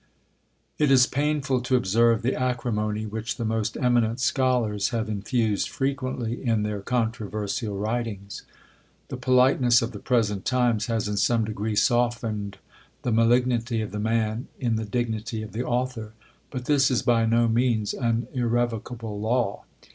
It is painful to observe the acrimony which the most eminent scholars have infused frequently in their controversial writings. The politeness of the present times has in some degree softened the malignity of the man, in the dignity of the author; but this is by no means an irrevocable law.